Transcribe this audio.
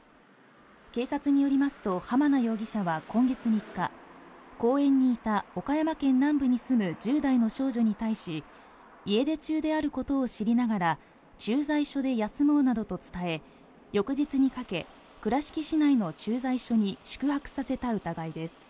警察によりますと濱名容疑者は今月３日公園にいた岡山県南部に住む１０代の少女に対し家出中であることを知りながら、駐在所で休もうなどと伝え、翌日にかけ倉敷市内の駐在所に宿泊させた疑いです。